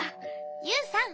ユウさん。